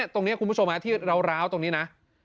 ตรงนี้คุณผู้ชมที่ร้าวตรงนี้นะ